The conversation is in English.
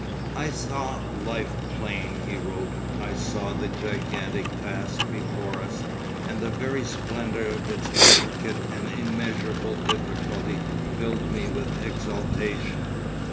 'I saw life plain,' he wrote. 'I saw the gigantic task before us, and the very splendour of its intricate and immeasurable difficulty filled me with exaltation.